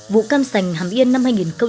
vụ cam sành hàm yên năm hai nghìn một mươi chín